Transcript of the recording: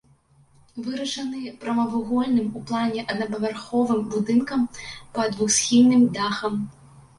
Вырашаны прамавугольным у плане аднапавярховым будынкам пад двухсхільным дахам.